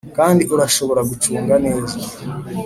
kandi urashobora gucunga neza.